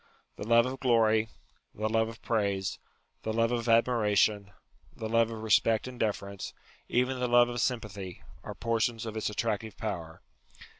The love of glory ; the love of praise ; the love of admiration ; the love of respect and deference ; even the love of sympathy, are portions of its attractive power.